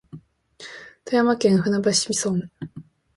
富山県舟橋村